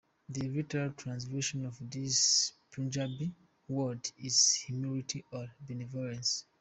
The literal translation of this Punjabi word is "Humility", or "Benevolence".